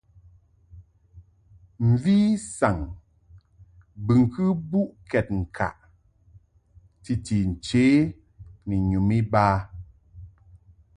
Mvi saŋ bɨŋkɨ mbuʼkɛd ŋkaʼ titi nche ni nyum iba.